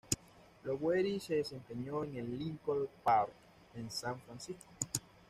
Lowery se desempeñó en el "Lincoln Park" en San Francisco.